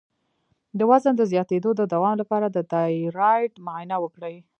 د وزن د زیاتیدو د دوام لپاره د تایرايډ معاینه وکړئ